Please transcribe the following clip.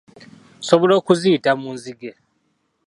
Nsobola okuziyita muzinge.